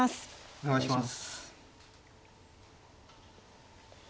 お願いします。